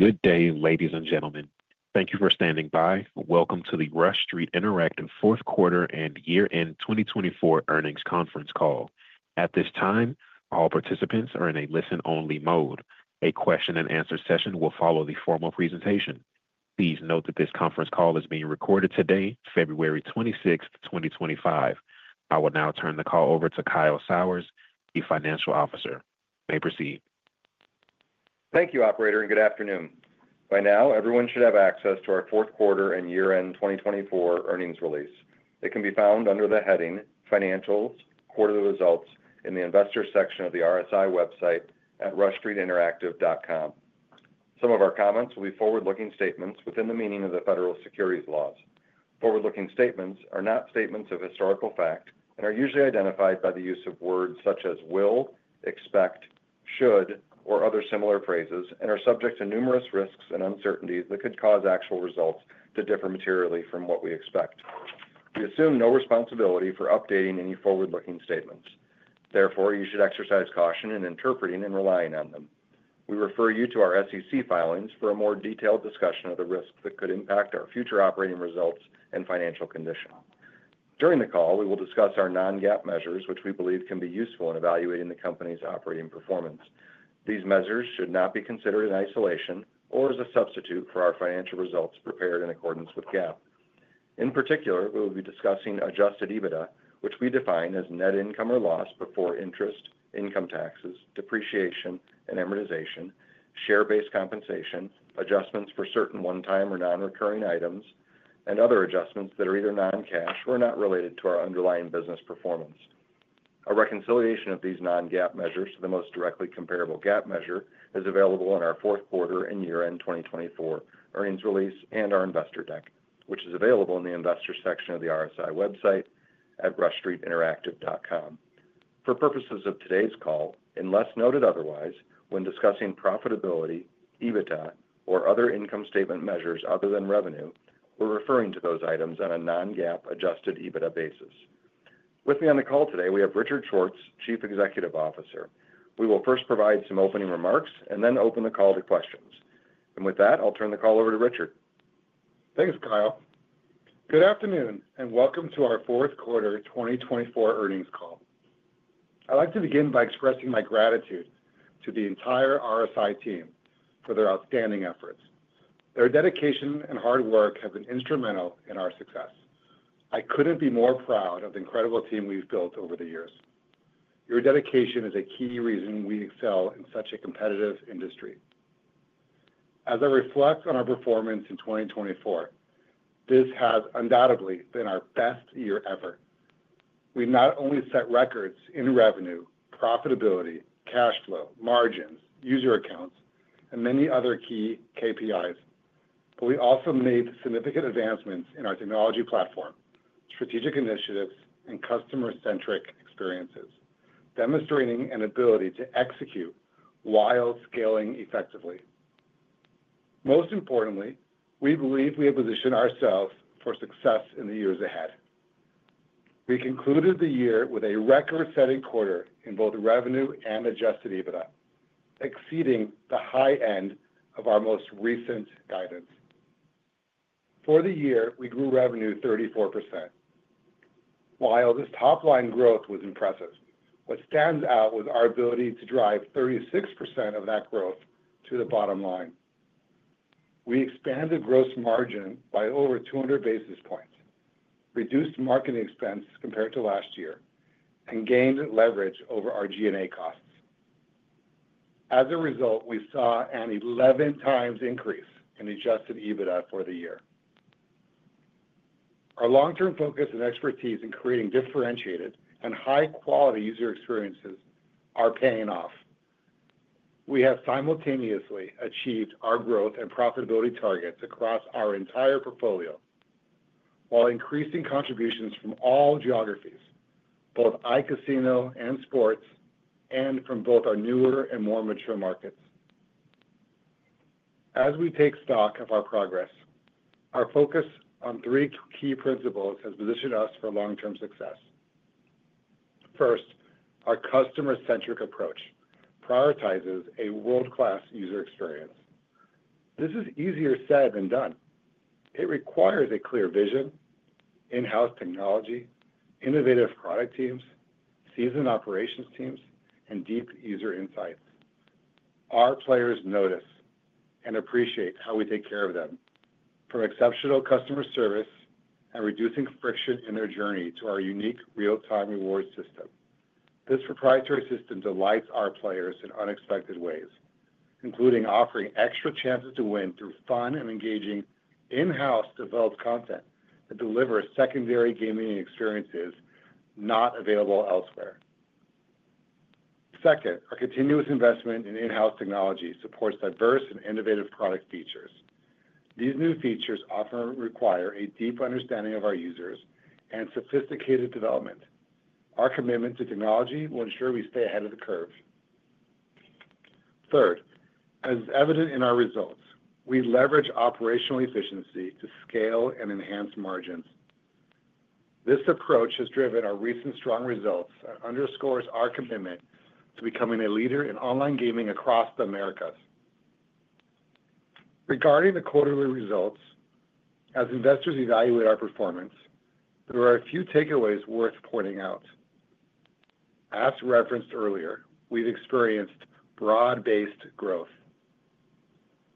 Good day, ladies and gentlemen. Thank you for standing by. Welcome to the Rush Street Interactive fourth quarter and year-end 2024 earnings conference call. At this time, all participants are in a listen-only mode. A question-and-answer session will follow the formal presentation. Please note that this conference call is being recorded today, February 26, 2025. I will now turn the call over to Kyle Sauers, Chief Financial Officer. You may proceed. Thank you, Operator, and good afternoon. By now, everyone should have access to our fourth quarter and year-end 2024 earnings release. It can be found under the heading "Financials, Quarterly Results" in the investor section of the RSI website at rushstreetinteractive.com. Some of our comments will be forward-looking statements within the meaning of the federal securities laws. Forward-looking statements are not statements of historical fact and are usually identified by the use of words such as "will," "expect," "should," or other similar phrases and are subject to numerous risks and uncertainties that could cause actual results to differ materially from what we expect. We assume no responsibility for updating any forward-looking statements. Therefore, you should exercise caution in interpreting and relying on them. We refer you to our SEC filings for a more detailed discussion of the risks that could impact our future operating results and financial condition. During the call, we will discuss our non-GAAP measures, which we believe can be useful in evaluating the company's operating performance. These measures should not be considered in isolation or as a substitute for our financial results prepared in accordance with GAAP. In particular, we will be discussing adjusted EBITDA, which we define as net income or loss before interest, income taxes, depreciation and amortization, share-based compensation, adjustments for certain one-time or non-recurring items, and other adjustments that are either non-cash or not related to our underlying business performance. A reconciliation of these non-GAAP measures to the most directly comparable GAAP measure is available in our fourth quarter and year-end 2024 earnings release and our investor deck, which is available in the investor section of the RSI website at rushstreetinteractive.com. For purposes of today's call, unless noted otherwise, when discussing profitability, EBITDA, or other income statement measures other than revenue, we're referring to those items on a non-GAAP adjusted EBITDA basis. With me on the call today, we have Richard Schwartz, Chief Executive Officer. We will first provide some opening remarks and then open the call to questions. And with that, I'll turn the call over to Richard. Thanks, Kyle. Good afternoon and welcome to our fourth quarter 2024 earnings call. I'd like to begin by expressing my gratitude to the entire RSI team for their outstanding efforts. Their dedication and hard work have been instrumental in our success. I couldn't be more proud of the incredible team we've built over the years. Your dedication is a key reason we excel in such a competitive industry. As I reflect on our performance in 2024, this has undoubtedly been our best year ever. We've not only set records in revenue, profitability, cash flow, margins, user accounts, and many other key KPIs, but we also made significant advancements in our technology platform, strategic initiatives, and customer-centric experiences, demonstrating an ability to execute while scaling effectively. Most importantly, we believe we have positioned ourselves for success in the years ahead. We concluded the year with a record-setting quarter in both revenue and Adjusted EBITDA, exceeding the high end of our most recent guidance. For the year, we grew revenue 34%. While this top-line growth was impressive, what stands out was our ability to drive 36% of that growth to the bottom line. We expanded gross margin by over 200 basis points, reduced marketing expense compared to last year, and gained leverage over our G&A costs. As a result, we saw an 11-times increase in Adjusted EBITDA for the year. Our long-term focus and expertise in creating differentiated and high-quality user experiences are paying off. We have simultaneously achieved our growth and profitability targets across our entire portfolio while increasing contributions from all geographies, both iCasino and sports, and from both our newer and more mature markets. As we take stock of our progress, our focus on three key principles has positioned us for long-term success. First, our customer-centric approach prioritizes a world-class user experience. This is easier said than done. It requires a clear vision, in-house technology, innovative product teams, seasoned operations teams, and deep user insights. Our players notice and appreciate how we take care of them, from exceptional customer service and reducing friction in their journey to our unique real-time rewards system. This proprietary system delights our players in unexpected ways, including offering extra chances to win through fun and engaging in-house developed content that delivers secondary gaming experiences not available elsewhere. Second, our continuous investment in in-house technology supports diverse and innovative product features. These new features often require a deep understanding of our users and sophisticated development. Our commitment to technology will ensure we stay ahead of the curve. Third, as evident in our results, we leverage operational efficiency to scale and enhance margins. This approach has driven our recent strong results and underscores our commitment to becoming a leader in online gaming across the Americas. Regarding the quarterly results, as investors evaluate our performance, there are a few takeaways worth pointing out. As referenced earlier, we've experienced broad-based growth.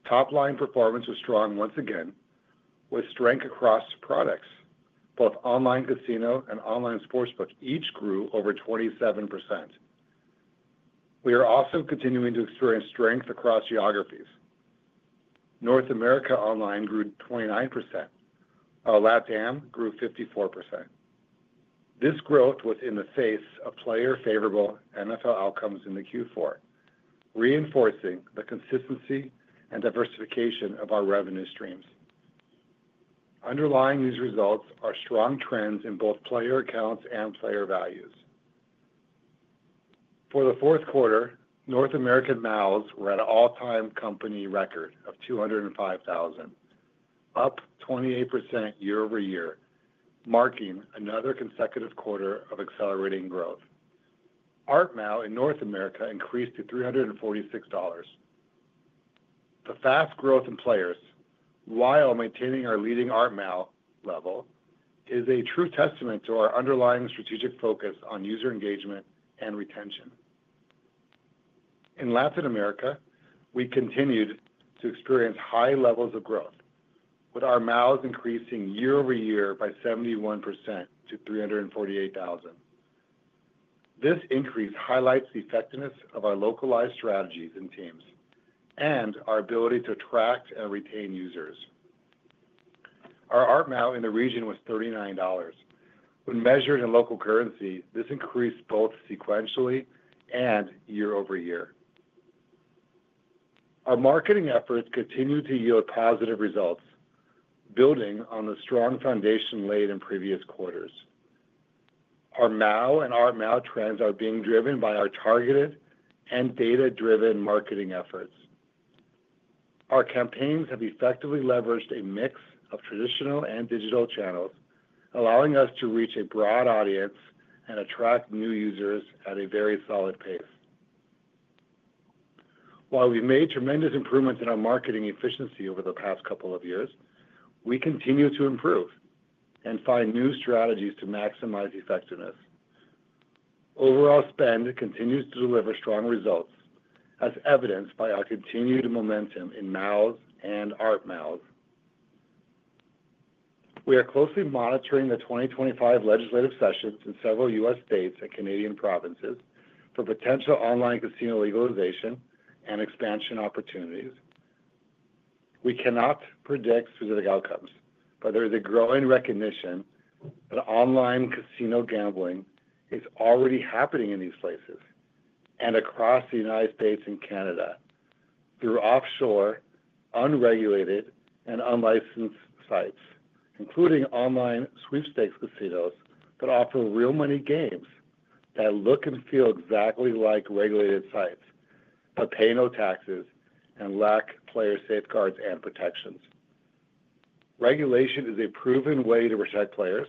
Top-line performance was strong once again, with strength across products. Both online casino and online sportsbook each grew over 27%. We are also continuing to experience strength across geographies. North America online grew 29%, while LATAM grew 54%. This growth was in the face of player-favorable NFL outcomes in the Q4, reinforcing the consistency and diversification of our revenue streams. Underlying these results are strong trends in both player accounts and player values. For the fourth quarter, North American MAUs were at an all-time company record of 205,000, up 28% year-over-year, marking another consecutive quarter of accelerating growth. ARPMAU in North America increased to $346. The fast growth in players, while maintaining our leading ARPMAU level, is a true testament to our underlying strategic focus on user engagement and retention. In Latin America, we continued to experience high levels of growth, with our MAUs increasing year-over-year by 71% to 348,000. This increase highlights the effectiveness of our localized strategies and teams and our ability to attract and retain users. Our ARPMAU in the region was $39. When measured in local currency, this increased both sequentially and year-over-year. Our marketing efforts continue to yield positive results, building on the strong foundation laid in previous quarters. Our MAU and ARPMAU trends are being driven by our targeted and data-driven marketing efforts. Our campaigns have effectively leveraged a mix of traditional and digital channels, allowing us to reach a broad audience and attract new users at a very solid pace. While we've made tremendous improvements in our marketing efficiency over the past couple of years, we continue to improve and find new strategies to maximize effectiveness. Overall spend continues to deliver strong results, as evidenced by our continued momentum in MAUs and ARPMAUs. We are closely monitoring the 2025 legislative sessions in several U.S. states and Canadian provinces for potential online casino legalization and expansion opportunities. We cannot predict specific outcomes, but there is a growing recognition that online casino gambling is already happening in these places and across the United States and Canada through offshore, unregulated, and unlicensed sites, including online sweepstakes casinos that offer real-money games that look and feel exactly like regulated sites, but pay no taxes and lack player safeguards and protections. Regulation is a proven way to protect players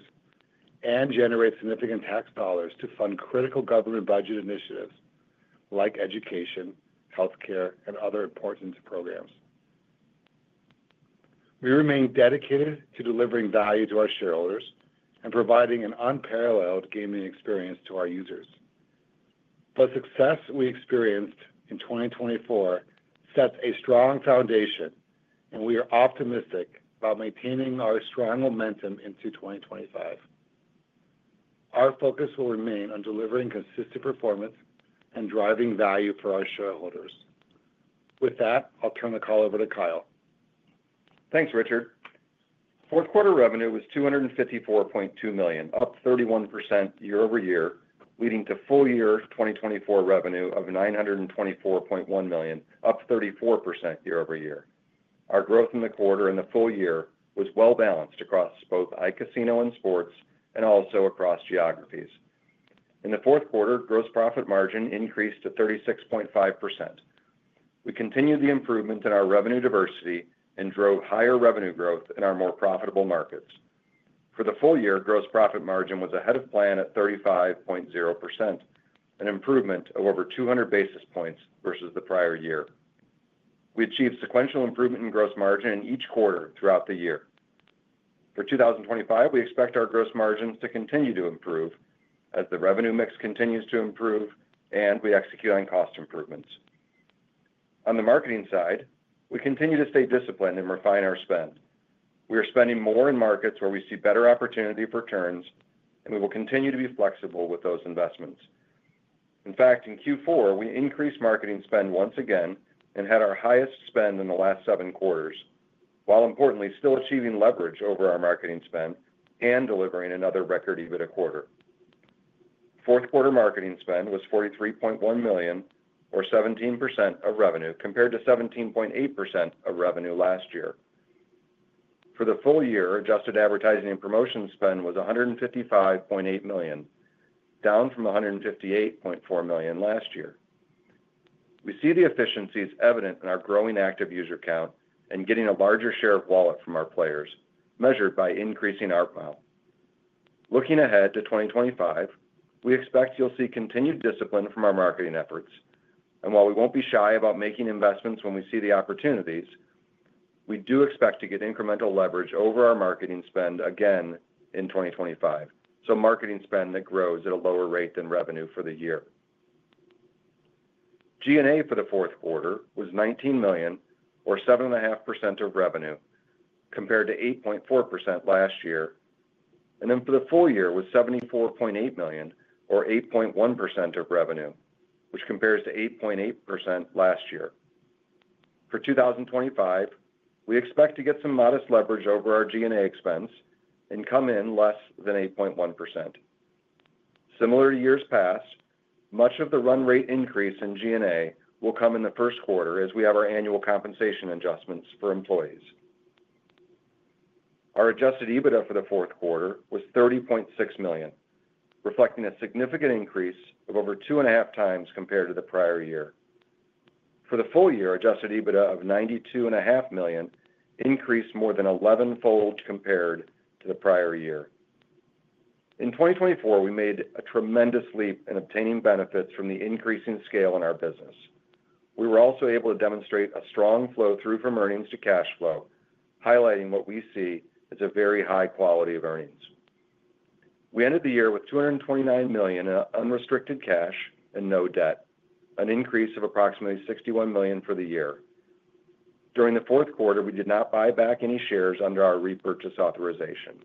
and generate significant tax dollars to fund critical government budget initiatives like education, healthcare, and other important programs. We remain dedicated to delivering value to our shareholders and providing an unparalleled gaming experience to our users. The success we experienced in 2024 sets a strong foundation, and we are optimistic about maintaining our strong momentum into 2025. Our focus will remain on delivering consistent performance and driving value for our shareholders. With that, I'll turn the call over to Kyle. Thanks, Richard. Fourth quarter revenue was $254.2 million, up 31% year-over-year, leading to full year 2024 revenue of $924.1 million, up 34% year-over-year. Our growth in the quarter and the full year was well-balanced across both iCasino and sports and also across geographies. In the fourth quarter, gross profit margin increased to 36.5%. We continued the improvement in our revenue diversity and drove higher revenue growth in our more profitable markets. For the full year, gross profit margin was ahead of plan at 35.0%, an improvement of over 200 basis points versus the prior year. We achieved sequential improvement in gross margin in each quarter throughout the year. For 2025, we expect our gross margins to continue to improve as the revenue mix continues to improve and we execute on cost improvements. On the marketing side, we continue to stay disciplined and refine our spend. We are spending more in markets where we see better opportunity for turns, and we will continue to be flexible with those investments. In fact, in Q4, we increased marketing spend once again and had our highest spend in the last seven quarters, while importantly still achieving leverage over our marketing spend and delivering another record EBITDA quarter. Fourth quarter marketing spend was $43.1 million, or 17% of revenue, compared to 17.8% of revenue last year. For the full year, adjusted advertising and promotion spend was $155.8 million, down from $158.4 million last year. We see the efficiencies evident in our growing active user count and getting a larger share of wallet from our players, measured by increasing ARPMAU. Looking ahead to 2025, we expect you'll see continued discipline from our marketing efforts. And while we won't be shy about making investments when we see the opportunities, we do expect to get incremental leverage over our marketing spend again in 2025, so marketing spend that grows at a lower rate than revenue for the year. G&A for the fourth quarter was $19 million, or 7.5% of revenue, compared to 8.4% last year. And then for the full year was $74.8 million, or 8.1% of revenue, which compares to 8.8% last year. For 2025, we expect to get some modest leverage over our G&A expense and come in less than 8.1%. Similar to years past, much of the run rate increase in G&A will come in the first quarter as we have our annual compensation adjustments for employees. Our adjusted EBITDA for the fourth quarter was $30.6 million, reflecting a significant increase of over two and a half times compared to the prior year. For the full year, Adjusted EBITDA of $92.5 million increased more than 11-fold compared to the prior year. In 2024, we made a tremendous leap in obtaining benefits from the increasing scale in our business. We were also able to demonstrate a strong flow through from earnings to cash flow, highlighting what we see as a very high quality of earnings. We ended the year with $229 million in unrestricted cash and no debt, an increase of approximately $61 million for the year. During the fourth quarter, we did not buy back any shares under our repurchase authorization.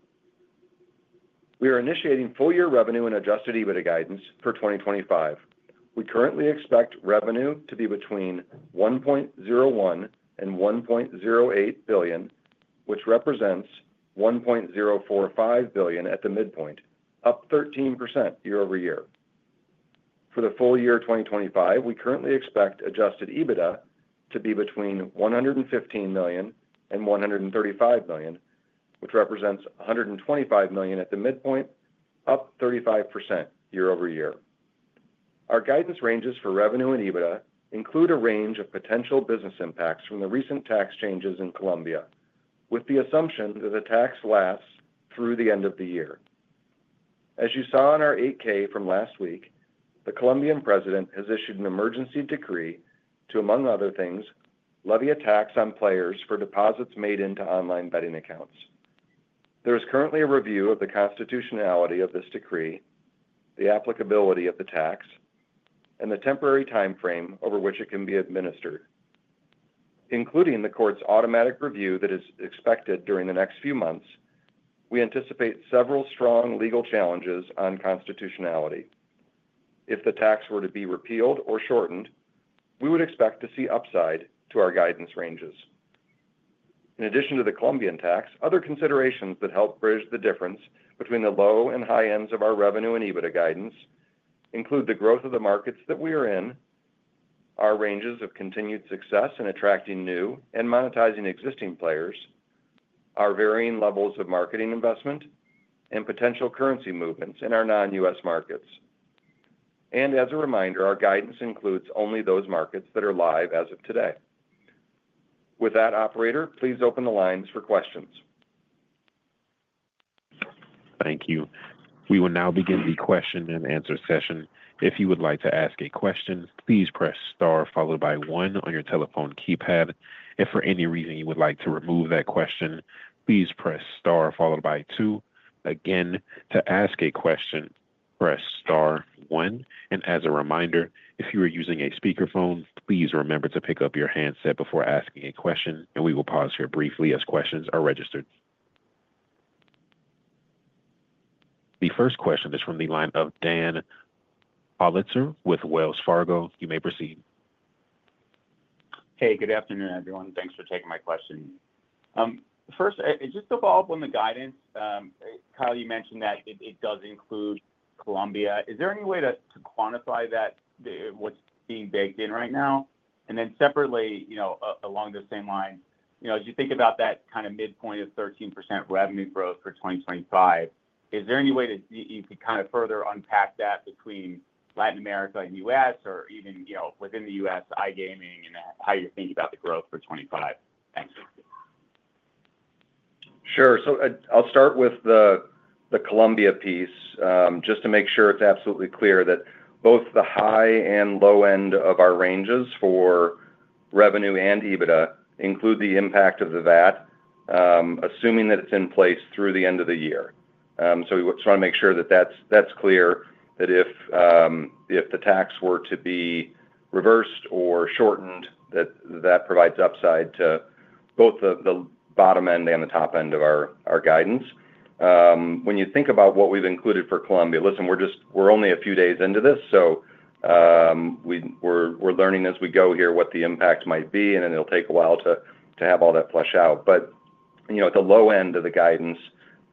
We are initiating full year revenue and Adjusted EBITDA guidance for 2025. We currently expect revenue to be between $1.01 and $1.08 billion, which represents $1.045 billion at the midpoint, up 13% year-over-year. For the full year 2025, we currently expect Adjusted EBITDA to be between $115 million and $135 million, which represents $125 million at the midpoint, up 35% year-over-year. Our guidance ranges for revenue and EBITDA include a range of potential business impacts from the recent tax changes in Colombia, with the assumption that the tax lasts through the end of the year. As you saw in our 8-K from last week, the Colombian president has issued an emergency decree to, among other things, levy a tax on players for deposits made into online betting accounts. There is currently a review of the constitutionality of this decree, the applicability of the tax, and the temporary timeframe over which it can be administered. Including the court's automatic review that is expected during the next few months, we anticipate several strong legal challenges on constitutionality. If the tax were to be repealed or shortened, we would expect to see upside to our guidance ranges. In addition to the Colombian tax, other considerations that help bridge the difference between the low and high ends of our revenue and EBITDA guidance include the growth of the markets that we are in, our ranges of continued success in attracting new and monetizing existing players, our varying levels of marketing investment, and potential currency movements in our non-U.S. markets, and as a reminder, our guidance includes only those markets that are live as of today. With that, Operator, please open the lines for questions. Thank you. We will now begin the question and answer session. If you would like to ask a question, please press star followed by one on your telephone keypad. If for any reason you would like to remove that question, please press star followed by two. Again, to ask a question, press star one. And as a reminder, if you are using a speakerphone, please remember to pick up your handset before asking a question, and we will pause here briefly as questions are registered. The first question is from the line of Dan Politzer with Wells Fargo. You may proceed. Hey, good afternoon, everyone. Thanks for taking my question. First, just to follow up on the guidance, Kyle, you mentioned that it does include Colombia. Is there any way to quantify that, what's being baked in right now? And then separately, along the same lines, as you think about that kind of midpoint of 13% revenue growth for 2025, is there any way that you could kind of further unpack that between Latin America and the U.S. or even within the U.S. iGaming and how you're thinking about the growth for 2025? Thanks. Sure. So I'll start with the Colombia piece just to make sure it's absolutely clear that both the high and low end of our ranges for revenue and EBITDA include the impact of that, assuming that it's in place through the end of the year. So we just want to make sure that that's clear, that if the tax were to be reversed or shortened, that that provides upside to both the bottom end and the top end of our guidance. When you think about what we've included for Colombia, listen, we're only a few days into this, so we're learning as we go here what the impact might be, and it'll take a while to have all that flesh out. But at the low end of the guidance,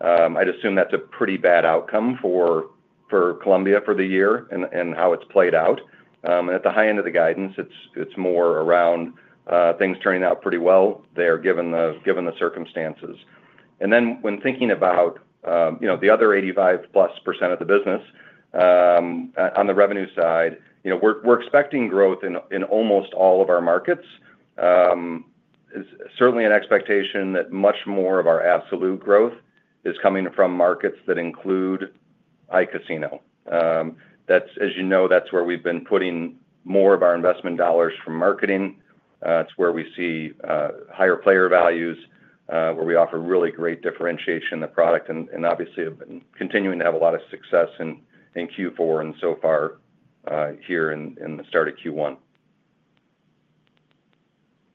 I'd assume that's a pretty bad outcome for Colombia for the year and how it's played out. And at the high end of the guidance, it's more around things turning out pretty well there given the circumstances. And then when thinking about the other 85-plus% of the business on the revenue side, we're expecting growth in almost all of our markets. It's certainly an expectation that much more of our absolute growth is coming from markets that include iCasino. As you know, that's where we've been putting more of our investment dollars from marketing. It's where we see higher player values, where we offer really great differentiation in the product, and obviously have been continuing to have a lot of success in Q4 and so far here in the start of Q1.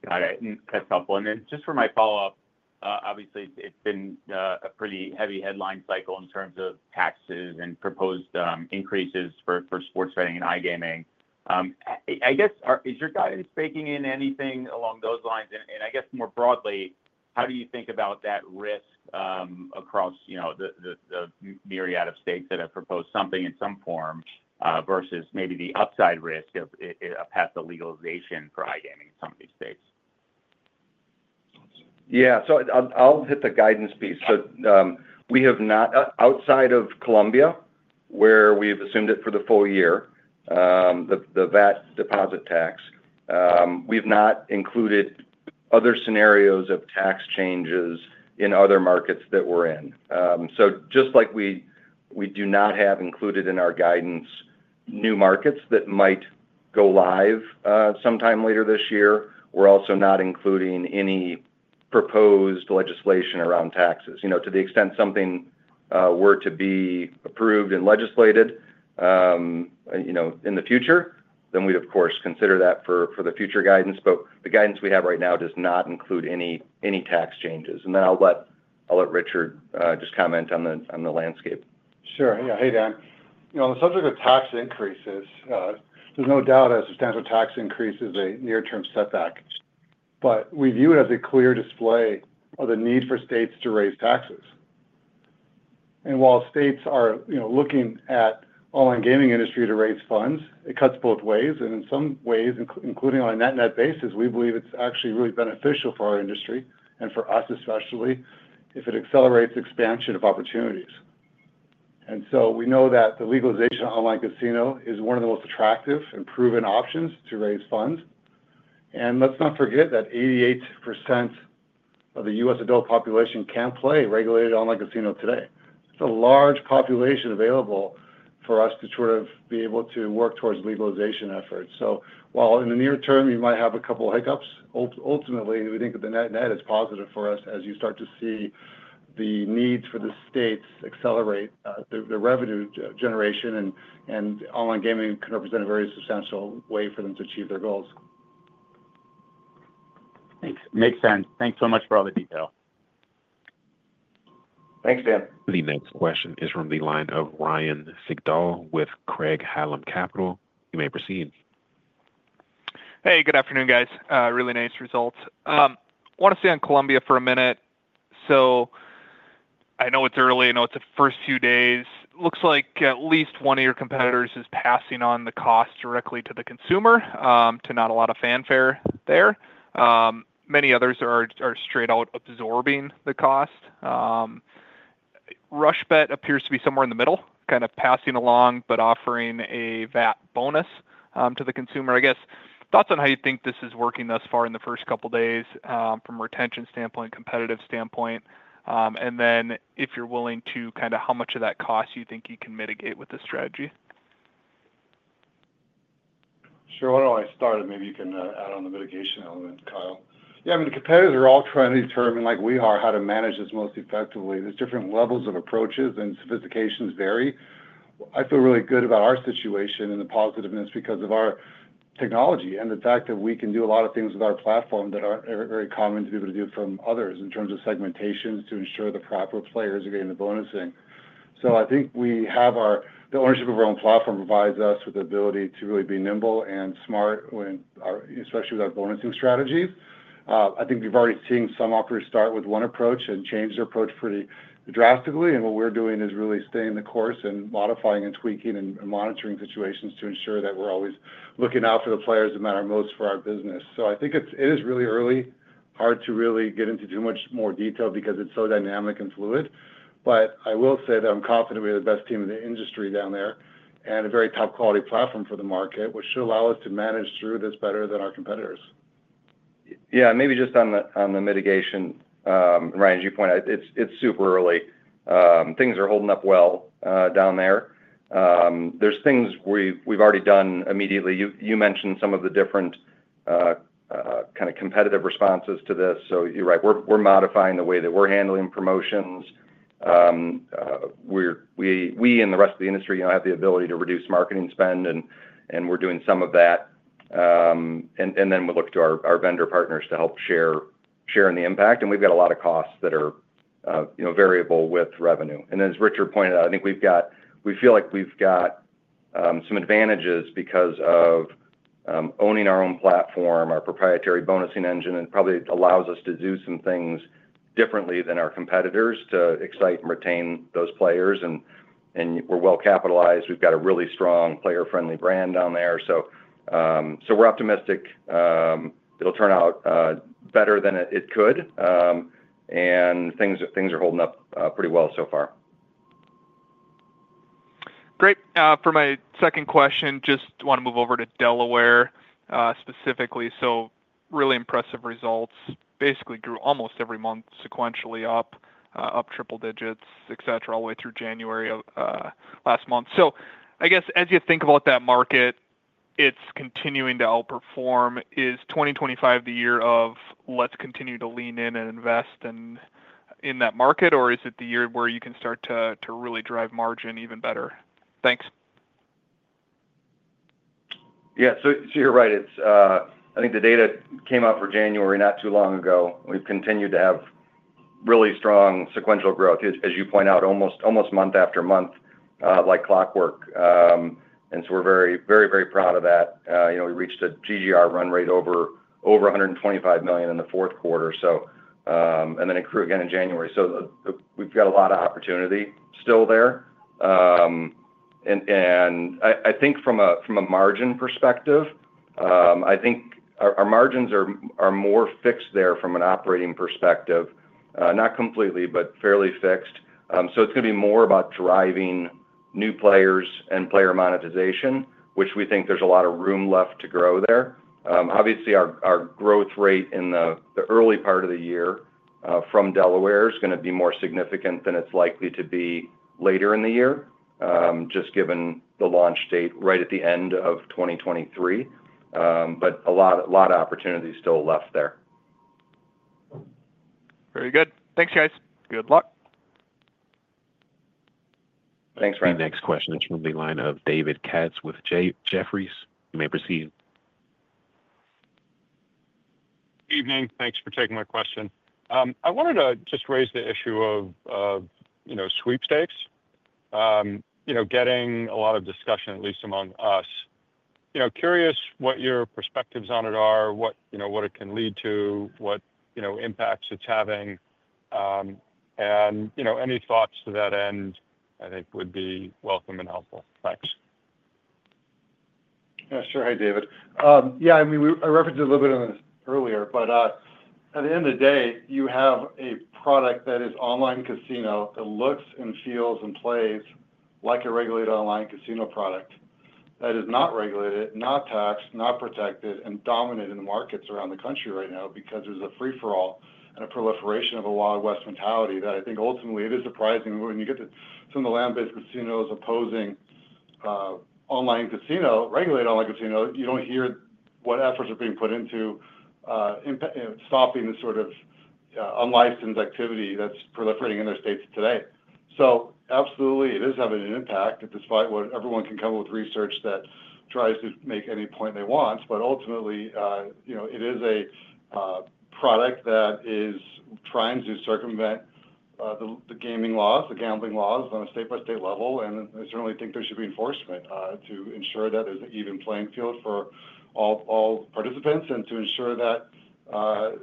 Got it. That's helpful. And then just for my follow-up, obviously, it's been a pretty heavy headline cycle in terms of taxes and proposed increases for sports betting and iGaming. I guess, is your guidance baking in anything along those lines? And I guess more broadly, how do you think about that risk across the myriad of states that have proposed something in some form versus maybe the upside risk of a path to legalization for iGaming in some of these states? Yeah. So I'll hit the guidance piece. So outside of Colombia, where we've assumed it for the full year, the VAT deposit tax, we've not included other scenarios of tax changes in other markets that we're in. So just like we do not have included in our guidance new markets that might go live sometime later this year, we're also not including any proposed legislation around taxes. To the extent something were to be approved and legislated in the future, then we'd, of course, consider that for the future guidance. But the guidance we have right now does not include any tax changes. And then I'll let Richard just comment on the landscape. Sure. Yeah. Hey, Dan. On the subject of tax increases, there's no doubt that substantial tax increase is a near-term setback. But we view it as a clear display of the need for states to raise taxes. And while states are looking at online gaming industry to raise funds, it cuts both ways. And in some ways, including on a net-net basis, we believe it's actually really beneficial for our industry and for us especially if it accelerates expansion of opportunities. And so we know that the legalization of online casino is one of the most attractive and proven options to raise funds. And let's not forget that 88% of the U.S. adult population can't play regulated online casino today. It's a large population available for us to sort of be able to work towards legalization efforts. So while in the near term you might have a couple of hiccups, ultimately, we think that the net-net is positive for us as you start to see the needs for the states accelerate the revenue generation, and online gaming can represent a very substantial way for them to achieve their goals. Thanks. Makes sense. Thanks so much for all the detail. Thanks, Dan. The next question is from the line of Ryan Sigdahl with Craig-Hallum Capital Group. You may proceed. Hey, good afternoon, guys. Really nice results. I want to stay on Colombia for a minute. So I know it's early. I know it's the first few days. Looks like at least one of your competitors is passing on the cost directly to the consumer, to not a lot of fanfare there. Many others are straight out absorbing the cost. RushBet appears to be somewhere in the middle, kind of passing along but offering a VAT bonus to the consumer. I guess, thoughts on how you think this is working thus far in the first couple of days from a retention standpoint, competitive standpoint, and then if you're willing to kind of how much of that cost you think you can mitigate with this strategy? Sure. Why don't I start, and maybe you can add on the mitigation element, Kyle. Yeah. I mean, the competitors are all trying to determine, like we are, how to manage this most effectively. There's different levels of approaches, and sophistications vary. I feel really good about our situation and the positiveness because of our technology and the fact that we can do a lot of things with our platform that aren't very common to be able to do from others in terms of segmentations to ensure the proper players are getting the bonusing, so I think we have our ownership of our own platform provides us with the ability to really be nimble and smart, especially with our bonusing strategies, I think we've already seen some operators start with one approach and change their approach pretty drastically, and what we're doing is really staying the course and modifying and tweaking and monitoring situations to ensure that we're always looking out for the players that matter most for our business, so I think it is really early, hard to really get into too much more detail because it's so dynamic and fluid. But I will say that I'm confident we have the best team in the industry down there and a very top-quality platform for the market, which should allow us to manage through this better than our competitors. Yeah. Maybe just on the mitigation, Ryan, as you point out, it's super early. Things are holding up well down there. There's things we've already done immediately. You mentioned some of the different kind of competitive responses to this. So you're right. We're modifying the way that we're handling promotions. We and the rest of the industry have the ability to reduce marketing spend, and we're doing some of that. And then we look to our vendor partners to help share in the impact. And we've got a lot of costs that are variable with revenue. As Richard pointed out, I think we feel like we've got some advantages because of owning our own platform, our proprietary bonusing engine, and probably it allows us to do some things differently than our competitors to excite and retain those players. We're well capitalized. We've got a really strong player-friendly brand down there. We're optimistic it'll turn out better than it could. Things are holding up pretty well so far. Great. For my second question, just want to move over to Delaware specifically. Really impressive results. Basically grew almost every month sequentially up, up triple digits, etc., all the way through January last month. I guess as you think about that market, it's continuing to outperform. Is 2025 the year of, "Let's continue to lean in and invest in that market," or is it the year where you can start to really drive margin even better? Thanks. Yeah, so you're right. I think the data came out for January not too long ago. We've continued to have really strong sequential growth, as you point out, almost month after month, like clockwork, and so we're very, very, very proud of that. We reached a GGR run rate over $125 million in the fourth quarter, and then it grew again in January, so we've got a lot of opportunity still there, and I think from a margin perspective, I think our margins are more fixed there from an operating perspective, not completely, but fairly fixed. So it's going to be more about driving new players and player monetization, which we think there's a lot of room left to grow there. Obviously, our growth rate in the early part of the year from Delaware is going to be more significant than it's likely to be later in the year, just given the launch date right at the end of 2023. But a lot of opportunity is still left there. Very good. Thanks, guys. Good luck. Thanks, Ryan. The next question is from the line of David Katz with Jefferies. You may proceed. Good evening. Thanks for taking my question. I wanted to just raise the issue of sweepstakes, getting a lot of discussion, at least among us. Curious what your perspectives on it are, what it can lead to, what impacts it's having, and any thoughts to that end, I think, would be welcome and helpful. Thanks. Sure. Hey, David. Yeah. I mean, I referenced it a little bit earlier, but at the end of the day, you have a product that is online casino that looks and feels and plays like a regulated online casino product that is not regulated, not taxed, not protected, and dominant in the markets around the country right now because there's a free-for-all and a proliferation of a Wild West mentality that I think ultimately it is surprising when you get to some of the land-based casinos opposing online casino, regulated online casinos. You don't hear what efforts are being put into stopping the sort of unlicensed activity that's proliferating in their states today. So absolutely, it is having an impact despite what everyone can come up with research that tries to make any point they want. But ultimately, it is a product that is trying to circumvent the gaming laws, the gambling laws on a state-by-state level. And I certainly think there should be enforcement to ensure that there's an even playing field for all participants and to ensure that all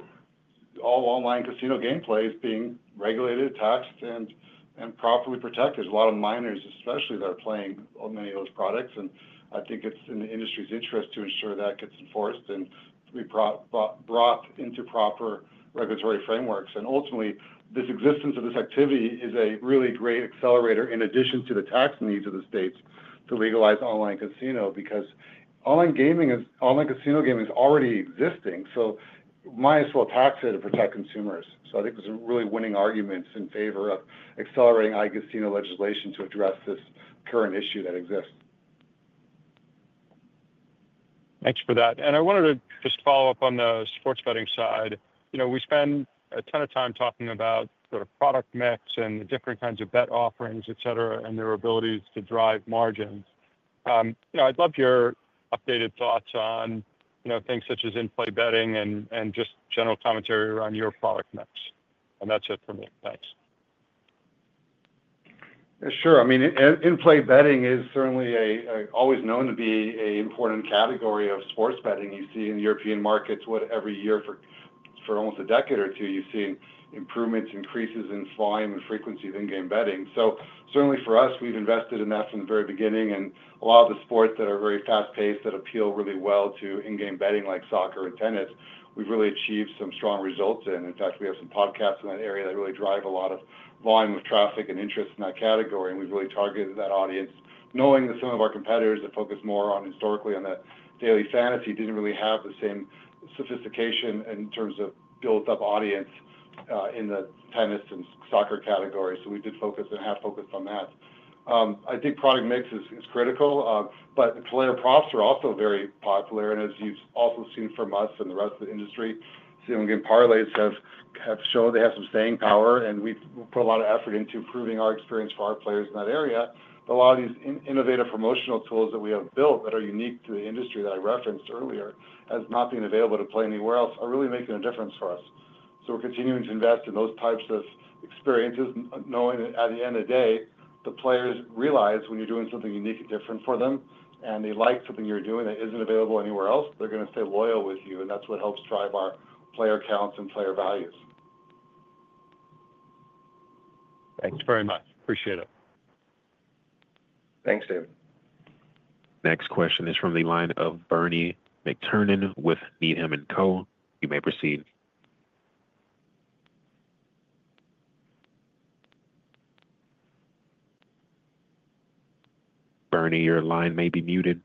online casino gameplay is being regulated, taxed, and properly protected. There's a lot of minors, especially, that are playing on many of those products. And I think it's in the industry's interest to ensure that gets enforced and brought into proper regulatory frameworks. And ultimately, this existence of this activity is a really great accelerator in addition to the tax needs of the states to legalize online casino because online casino gaming is already existing. So might as well tax it to protect consumers. So I think there's a really winning argument in favor of accelerating iCasino legislation to address this current issue that exists. Thanks for that and I wanted to just follow up on the sports betting side. We spend a ton of time talking about sort of product mix and the different kinds of bet offerings, etc., and their abilities to drive margins. I'd love your updated thoughts on things such as in-play betting and just general commentary around your product mix and that's it for me. Thanks. Sure. I mean, in-play betting is certainly always known to be an important category of sports betting. You see in European markets what every year for almost a decade or two, you've seen improvements, increases in volume and frequency of in-game betting so certainly for us, we've invested in that from the very beginning and a lot of the sports that are very fast-paced that appeal really well to in-game betting like soccer and tennis, we've really achieved some strong results in. In fact, we have some podcasts in that area that really drive a lot of volume of traffic and interest in that category. And we've really targeted that audience, knowing that some of our competitors that focus more historically on the daily fantasy didn't really have the same sophistication in terms of built-up audience in the tennis and soccer category. So we did focus and have focused on that. I think product mix is critical. But player props are also very popular. And as you've also seen from us and the rest of the industry, single-game parlays have shown they have some staying power. And we put a lot of effort into improving our experience for our players in that area. But a lot of these innovative promotional tools that we have built that are unique to the industry that I referenced earlier as not being available to play anywhere else are really making a difference for us. So we're continuing to invest in those types of experiences, knowing that at the end of the day, the players realize when you're doing something unique and different for them and they like something you're doing that isn't available anywhere else, they're going to stay loyal with you. And that's what helps drive our player counts and player values. Thanks very much. Appreciate it. Thanks, David. Next question is from the line of Bernie McTernan with Needham & Co. You may proceed. Bernie, your line may be muted.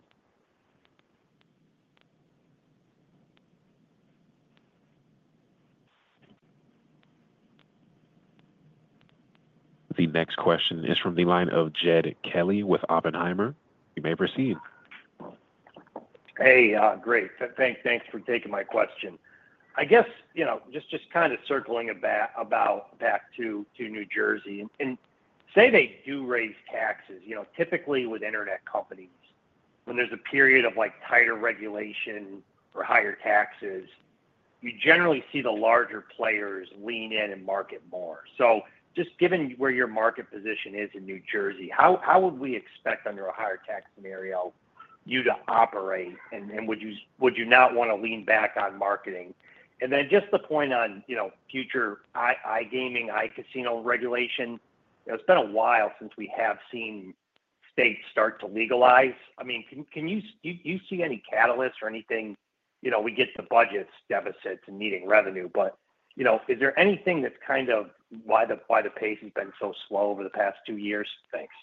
The next question is from the line of Jed Kelly with Oppenheimer. You may proceed. Hey, great. Thanks for taking my question. I guess just kind of circling back to New Jersey, and say they do raise taxes. Typically, with internet companies, when there's a period of tighter regulation or higher taxes, you generally see the larger players lean in and market more. So just given where your market position is in New Jersey, how would we expect under a higher tax scenario you to operate? And would you not want to lean back on marketing? And then just the point on future iGaming, iCasino regulation, it's been a while since we have seen states start to legalize. I mean, do you see any catalysts or anything? We get the budget deficits and needing revenue. But is there anything that's kind of why the pace has been so slow over the past two years? Thanks.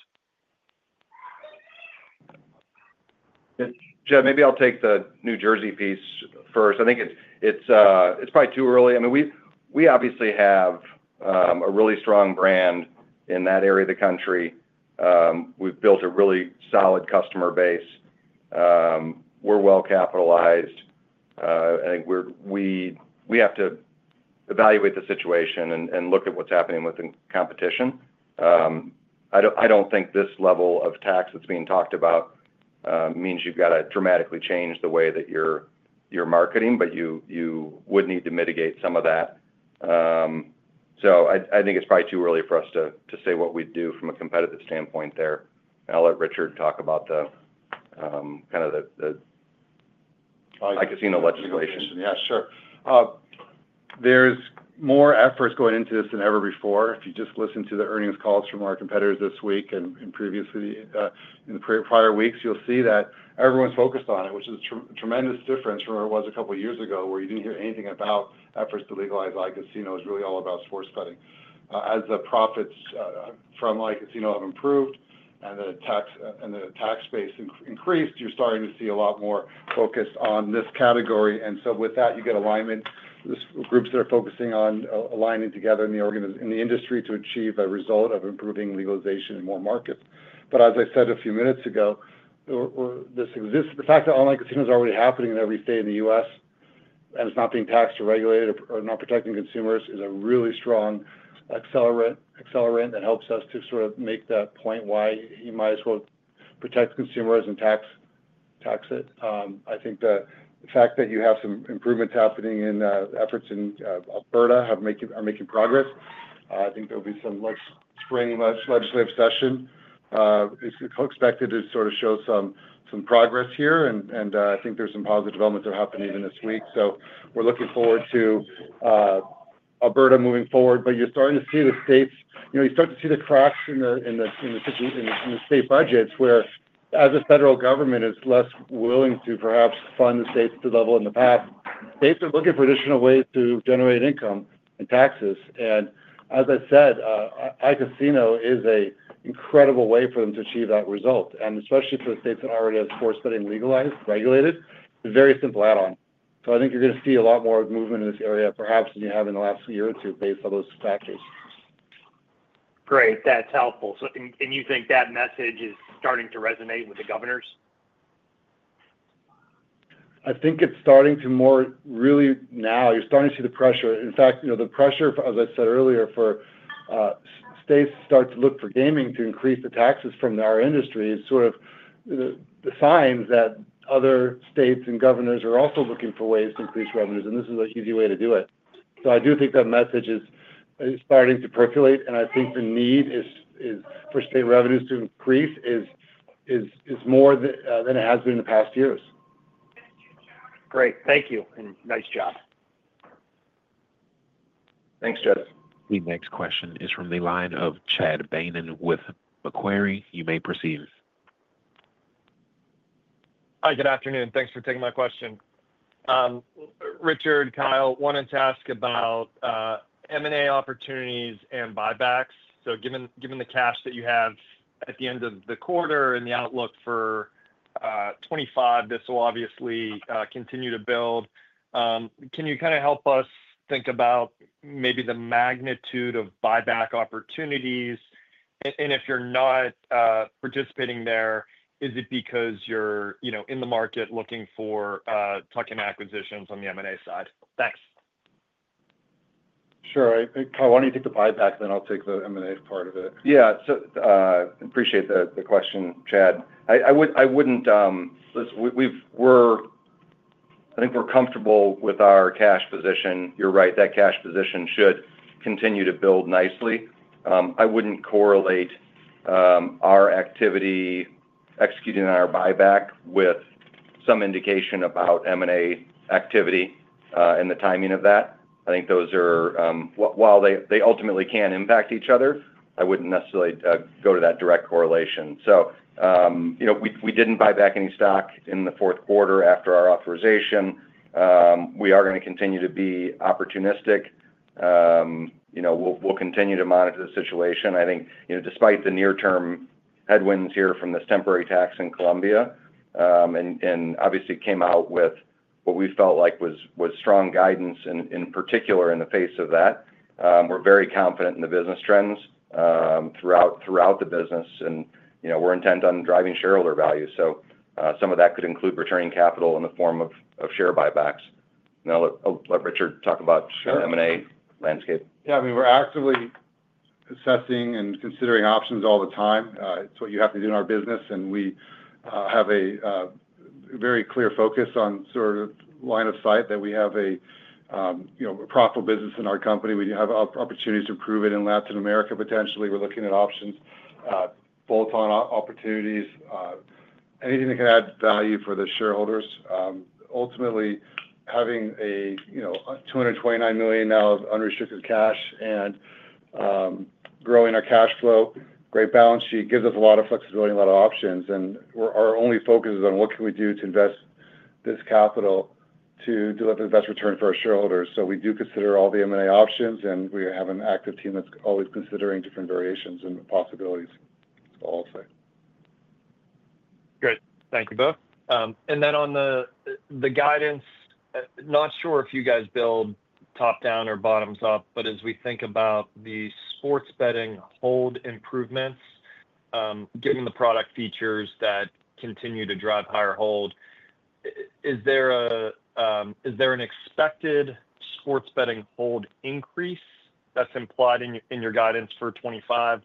Jed, maybe I'll take the New Jersey piece first. I think it's probably too early. I mean, we obviously have a really strong brand in that area of the country. We've built a really solid customer base. We're well capitalized. I think we have to evaluate the situation and look at what's happening with the competition. I don't think this level of tax that's being talked about means you've got to dramatically change the way that you're marketing, but you would need to mitigate some of that. So I think it's probably too early for us to say what we do from a competitive standpoint there. And I'll let Richard talk about kind of the iCasino legislation. Yeah, sure. There's more efforts going into this than ever before. If you just listen to the earnings calls from our competitors this week and previously in the prior weeks, you'll see that everyone's focused on it, which is a tremendous difference from where it was a couple of years ago where you didn't hear anything about efforts to legalize iCasino. It was really all about sports betting. As the profits from iCasino have improved and the tax base increased, you're starting to see a lot more focus on this category, and so with that, you get alignment, groups that are focusing on aligning together in the industry to achieve a result of improving legalization in more markets. But as I said a few minutes ago, the fact that online casino is already happening in every state in the U.S. and it's not being taxed or regulated or not protecting consumers is a really strong accelerant that helps us to sort of make that point why you might as well protect consumers and tax it. I think the fact that you have some improvements happening in efforts in Alberta are making progress. I think there'll be some spring legislative session. It's expected to sort of show some progress here. And I think there's some positive developments that are happening even this week. So we're looking forward to Alberta moving forward. But you're starting to see the states. You start to see the cracks in the state budgets where, as a federal government, it's less willing to perhaps fund the states to the level in the past. States are looking for additional ways to generate income and taxes, and as I said, iCasino is an incredible way for them to achieve that result, and especially for the states that already have sports betting legalized, regulated, it's a very simple add-on, so I think you're going to see a lot more movement in this area perhaps than you have in the last year or two based on those factors. Great. That's helpful, and you think that message is starting to resonate with the governors? I think it's starting to move really now. You're starting to see the pressure. In fact, the pressure, as I said earlier, for states to start to look for gaming to increase the taxes from our industry is sort of the signs that other states and governors are also looking for ways to increase revenues, and this is an easy way to do it. So I do think that message is starting to percolate. And I think the need for state revenues to increase is more than it has been in the past years. Great. Thank you. And nice job. Thanks, Jed. The next question is from the line of Chad Beynon with Macquarie. You may proceed. Hi, good afternoon. Thanks for taking my question. Richard, Kyle, wanted to ask about M&A opportunities and buybacks. So given the cash that you have at the end of the quarter and the outlook for 2025, this will obviously continue to build. Can you kind of help us think about maybe the magnitude of buyback opportunities? And if you're not participating there, is it because you're in the market looking for tuck-in acquisitions on the M&A side? Thanks. Sure. Kyle, why don't you take the buyback, then I'll take the M&A part of it. Yeah. I appreciate the question, Chad. I wouldn't lessen. I think we're comfortable with our cash position. You're right. That cash position should continue to build nicely. I wouldn't correlate our activity executing on our buyback with some indication about M&A activity and the timing of that. I think those are, while they ultimately can impact each other, I wouldn't necessarily go to that direct correlation. So we didn't buy back any stock in the fourth quarter after our authorization. We are going to continue to be opportunistic. We'll continue to monitor the situation. I think despite the near-term headwinds here from this temporary tax in Colombia and obviously came out with what we felt like was strong guidance in particular in the face of that, we're very confident in the business trends throughout the business, and we're intent on driving shareholder value. So some of that could include returning capital in the form of share buybacks. And I'll let Richard talk about the M&A landscape. Yeah. I mean, we're actively assessing and considering options all the time. It's what you have to do in our business. And we have a very clear focus on sort of line of sight that we have a profitable business in our company. We have opportunities to improve it in Latin America potentially. We're looking at options, bolt-on opportunities, anything that can add value for the shareholders. Ultimately, having a $229 million now of unrestricted cash and growing our cash flow, great balance sheet gives us a lot of flexibility, a lot of options. And our only focus is on what can we do to invest this capital to deliver the best return for our shareholders. So we do consider all the M&A options. And we have an active team that's always considering different variations and possibilities. That's all I'll say. Great. Thank you both. And then on the guidance, not sure if you guys build top-down or bottoms-up, but as we think about the sports betting hold improvements, given the product features that continue to drive higher hold, is there an expected sports betting hold increase that's implied in your guidance for 2025?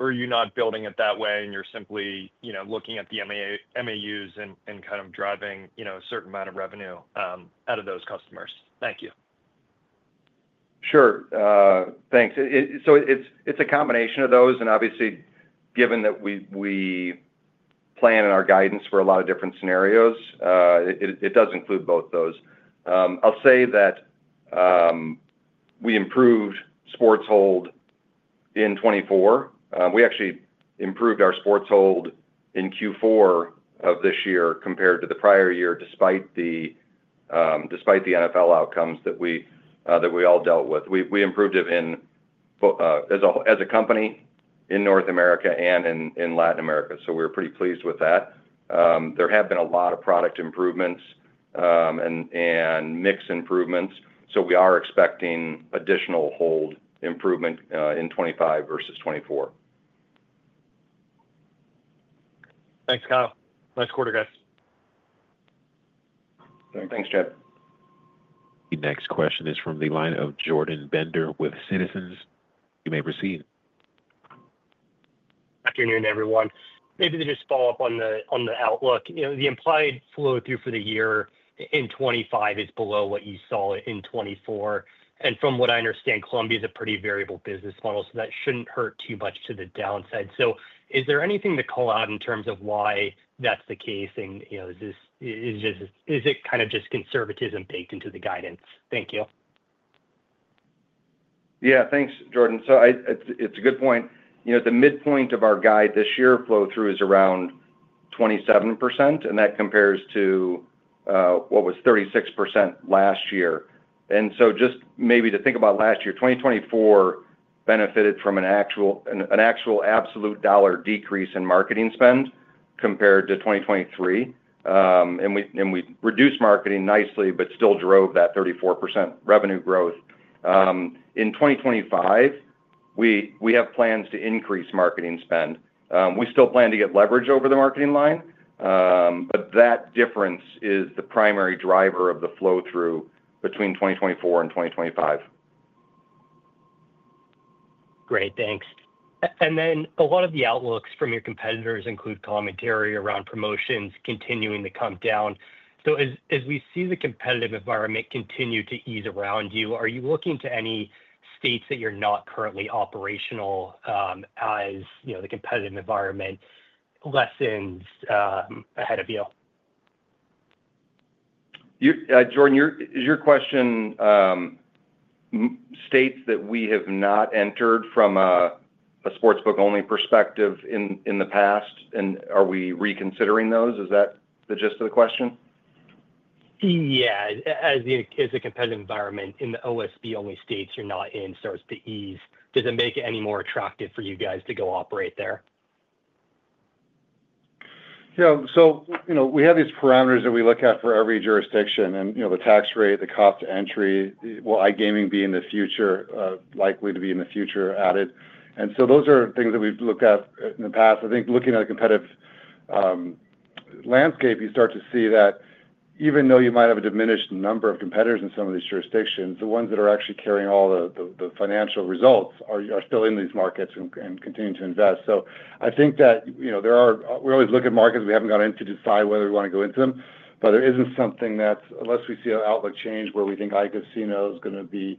Or are you not building it that way and you're simply looking at the MAUs and kind of driving a certain amount of revenue out of those customers? Thank you. Sure. Thanks. So it's a combination of those. And obviously, given that we plan in our guidance for a lot of different scenarios, it does include both those. I'll say that we improved sports hold in 2024. We actually improved our sports hold in Q4 of this year compared to the prior year despite the NFL outcomes that we all dealt with. We improved it as a company in North America and in Latin America. So we're pretty pleased with that. There have been a lot of product improvements and mix improvements. So we are expecting additional hold improvement in 2025 versus 2024. Thanks, Kyle. Nice quarter, guys. Thanks, Jed. The next question is from the line of Jordan Bender with Citizens JMP. You may proceed. Good afternoon, everyone. Maybe to just follow up on the outlook. The implied flow through for the year in 2025 is below what you saw in 2024. And from what I understand, Colombia is a pretty variable business model. So that shouldn't hurt too much to the downside. So is there anything to call out in terms of why that's the case? Is it kind of just conservatism baked into the guidance? Thank you. Yeah. Thanks, Jordan. So it's a good point. The midpoint of our guide this year flow through is around 27%. And that compares to what was 36% last year. And so just maybe to think about last year, 2024 benefited from an actual absolute dollar decrease in marketing spend compared to 2023. And we reduced marketing nicely, but still drove that 34% revenue growth. In 2025, we have plans to increase marketing spend. We still plan to get leverage over the marketing line. But that difference is the primary driver of the flow through between 2024 and 2025. Great. Thanks. And then a lot of the outlooks from your competitors include commentary around promotions continuing to come down. So as we see the competitive environment continue to ease around you, are you looking to any states that you're not currently operational, as the competitive environment lessens ahead of you? Jordan, is your question states that we have not entered from a sportsbook-only perspective in the past? And are we reconsidering those? Is that the gist of the question? Yeah. As the competitive environment in the OSB-only states you're not in starts to ease, does it make it any more attractive for you guys to go operate there? Yeah. So we have these parameters that we look at for every jurisdiction. And the tax rate, the cost of entry, will iGaming be in the future, likely to be in the future added? And so those are things that we've looked at in the past. I think looking at the competitive landscape, you start to see that even though you might have a diminished number of competitors in some of these jurisdictions, the ones that are actually carrying all the financial results are still in these markets and continue to invest. So I think that we always look at markets. We haven't gotten into decide whether we want to go into them. But there isn't something that's unless we see an outlook change where we think iCasino is going to be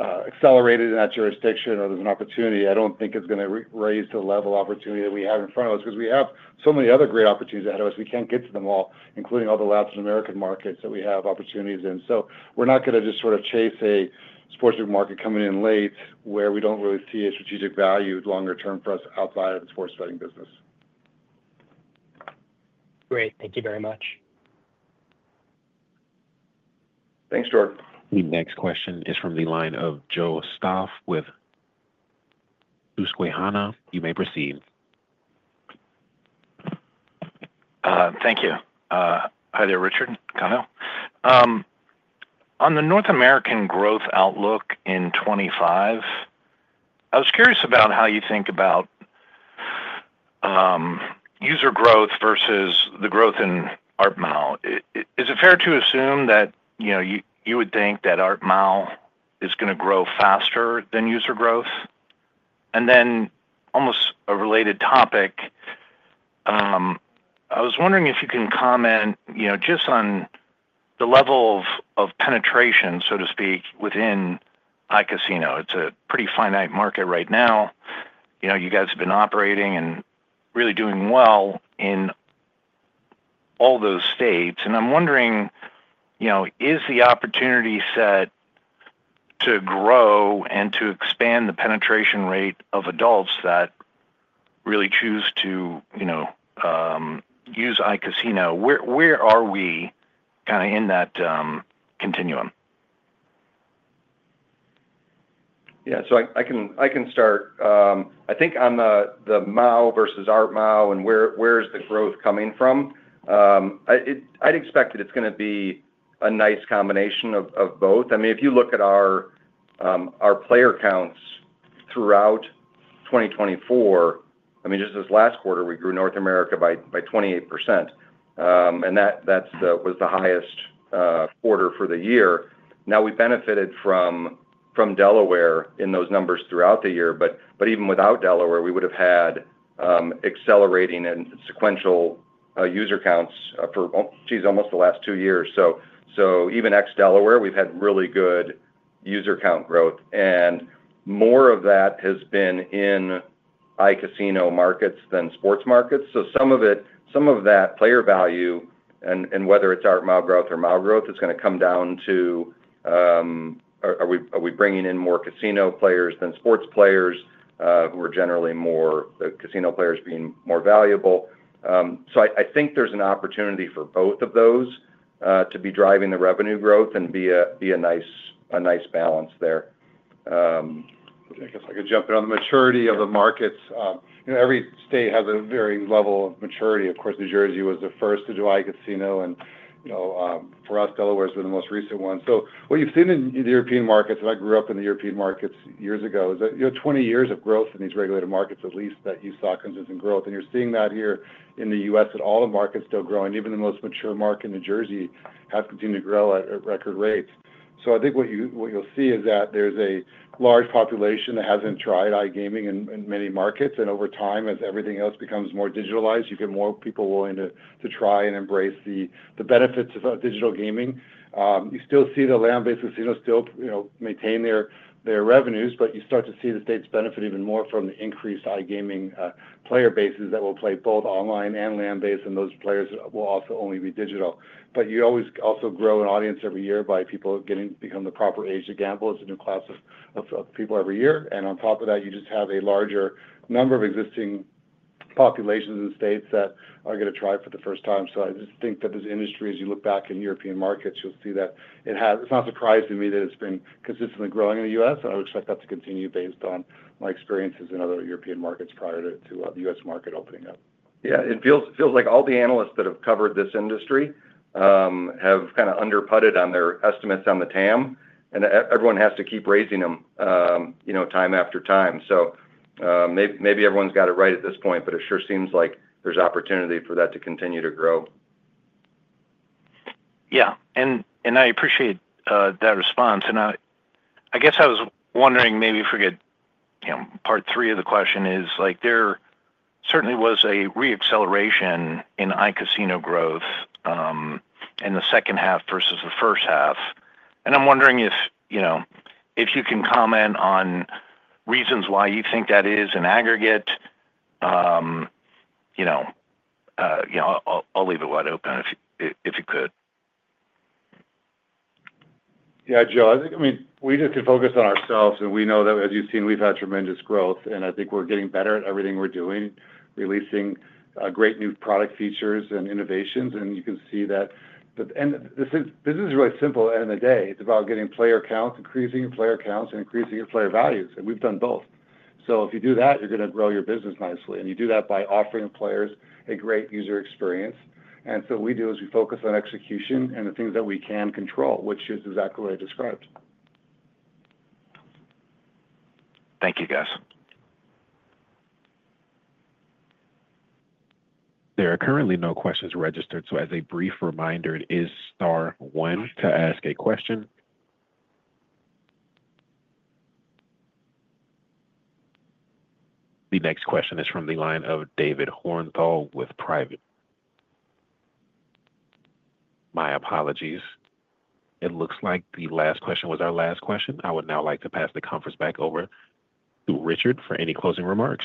accelerated in that jurisdiction or there's an opportunity, I don't think it's going to raise the level of opportunity that we have in front of us. Because we have so many other great opportunities ahead of us. We can't get to them all, including all the Latin American markets that we have opportunities in. So we're not going to just sort of chase a sports book market coming in late where we don't really see a strategic value longer term for us outside of the sports betting business. Great. Thank you very much. Thanks, Jordan. The next question is from the line of Joe Stauff with Susquehanna. You may proceed. Thank you. Hi there, Richard, Kyle. On the North American growth outlook in 2025, I was curious about how you think about user growth versus the growth in Art Mall. Is it fair to assume that you would think that Art Mall is going to grow faster than user growth? And then almost a related topic, I was wondering if you can comment just on the level of penetration, so to speak, within iCasino. It's a pretty finite market right now. You guys have been operating and really doing well in all those states. I'm wondering, is the opportunity set to grow and to expand the penetration rate of adults that really choose to use iCasino? Where are we kind of in that continuum? Yeah. I can start. I think on the MAU versus ARPMAU and where's the growth coming from, I'd expect that it's going to be a nice combination of both. I mean, if you look at our player counts throughout 2024, I mean, just this last quarter, we grew North America by 28%. That was the highest quarter for the year. Now, we benefited from Delaware in those numbers throughout the year. Even without Delaware, we would have had accelerating and sequential user counts for, geez, almost the last two years. Even ex-Delaware, we've had really good user count growth. More of that has been in iCasino markets than sports markets. So, some of that player value, and whether it's ARPMAU growth or MAU growth, it's going to come down to are we bringing in more casino players than sports players who are generally more the casino players being more valuable. So, I think there's an opportunity for both of those to be driving the revenue growth and be a nice balance there. I guess I could jump in on the maturity of the markets. Every state has a varying level of maturity. Of course, New Jersey was the first to do iCasino. And for us, Delaware's been the most recent one. So, what you've seen in the European markets, and I grew up in the European markets years ago, is that 20 years of growth in these regulated markets, at least, that you saw consistent growth. You're seeing that here in the U.S. that all the markets are still growing. Even the most mature market, New Jersey, has continued to grow at record rates. I think what you'll see is that there's a large population that hasn't tried iGaming in many markets. Over time, as everything else becomes more digitalized, you get more people willing to try and embrace the benefits of digital gaming. You still see the land-based casinos still maintain their revenues, but you start to see the states benefit even more from the increased iGaming player bases that will play both online and land-based. Those players will also only be digital. You always also grow an audience every year by people becoming the proper age to gamble. It's a new class of people every year. And on top of that, you just have a larger number of existing populations in states that are going to try for the first time. So I just think that this industry, as you look back in European markets, you'll see that it's not surprising to me that it's been consistently growing in the U.S. And I would expect that to continue based on my experiences in other European markets prior to the U.S. market opening up. Yeah. It feels like all the analysts that have covered this industry have kind of underputted on their estimates on the TAM. And everyone has to keep raising them time after time. So maybe everyone's got it right at this point, but it sure seems like there's opportunity for that to continue to grow. Yeah. And I appreciate that response. I guess I was wondering maybe if we could part three of the question is there certainly was a re-acceleration in iCasino growth in the second half versus the first half. I'm wondering if you can comment on reasons why you think that is an aggregate. I'll leave it wide open if you could. Yeah, Joe. I mean, we just can focus on ourselves. We know that, as you've seen, we've had tremendous growth. I think we're getting better at everything we're doing, releasing great new product features and innovations. You can see that. This is really simple at the end of the day. It's about getting player counts, increasing your player counts, and increasing your player values. We've done both. If you do that, you're going to grow your business nicely. And you do that by offering players a great user experience. And so what we do is we focus on execution and the things that we can control, which is exactly what I described. Thank you, guys. There are currently no questions registered. So as a brief reminder, it is star one to ask a question. The next question is from the line of David Hornthal with Private. My apologies. It looks like the last question was our last question. I would now like to pass the conference back over to Richard for any closing remarks.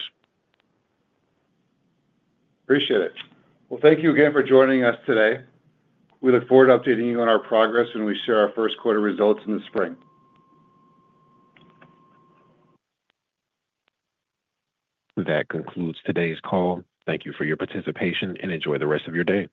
Appreciate it. Well, thank you again for joining us today. We look forward to updating you on our progress when we share our first quarter results in the spring. That concludes today's call. Thank you for your participation and enjoy the rest of your day.